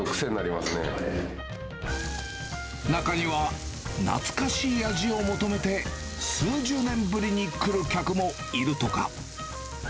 中には、懐かしい味を求めて、数十年ぶりに来る客もいるとか。